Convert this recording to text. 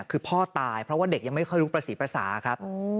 คือพ่อตายเพราะเด็กยังไม่เข้ารู้ปศิษย์ภาษา